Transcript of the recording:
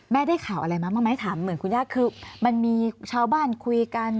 ได้ข่าวอะไรมาบ้างไหมถามเหมือนคุณย่าคือมันมีชาวบ้านคุยกัน